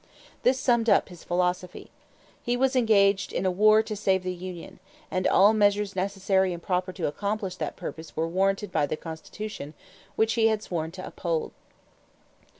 This summed up his philosophy. He was engaged in a war to save the union, and all measures necessary and proper to accomplish that purpose were warranted by the Constitution which he had sworn to uphold.